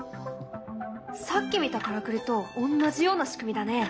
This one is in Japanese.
さっき見たからくりと同じような仕組みだね。